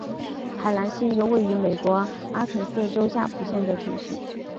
海兰是一个位于美国阿肯色州夏普县的城市。